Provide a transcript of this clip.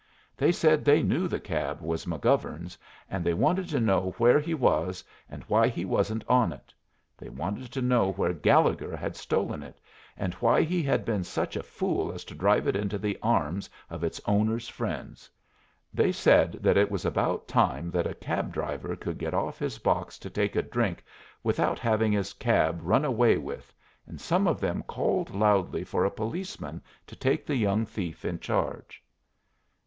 They said they knew the cab was McGovern's, and they wanted to know where he was, and why he wasn't on it; they wanted to know where Gallegher had stolen it, and why he had been such a fool as to drive it into the arms of its owner's friends; they said that it was about time that a cab driver could get off his box to take a drink without having his cab run away with, and some of them called loudly for a policeman to take the young thief in charge.